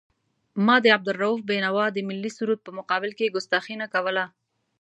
ما د عبدالرؤف بېنوا د ملي سرود په مقابل کې کستاخي نه کوله.